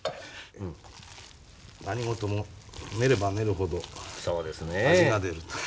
何事も練れば練るほど味が出るという。